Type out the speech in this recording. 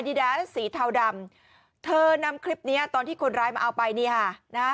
อดีตสีเทาดำเธอนำคลิปนี้ตอนที่คนร้ายมาเอาไปเนี่ยค่ะ